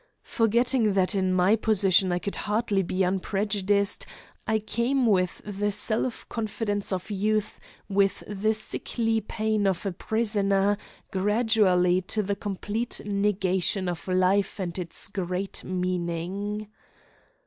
Forgetting that in my position I could hardly be unprejudiced, I came with the self confidence of youth, with the sickly pain of a prisoner, gradually to the complete negation of life and its great meaning.